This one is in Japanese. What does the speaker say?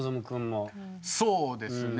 そうですね。